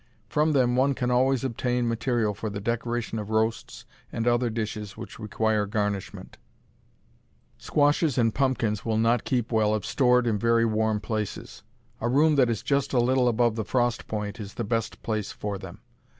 From them one can always obtain material for the decoration of roasts and other dishes which require garnishment. Squashes and pumpkins will not keep well if stored in very warm places. A room that is just a little above the frost point is the best place for them.